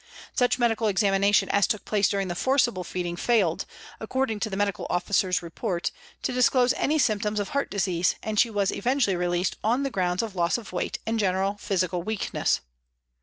Such medical examina tion as took place during the forcible feeding failed, according to the medical officer's report, to disclose any symptoms of heart disease, and she was eventually released on the grounds of loss of weight and general physical weakness.